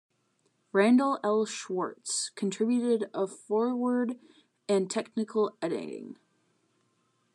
Randal L. Schwartz contributed a foreword and technical editing.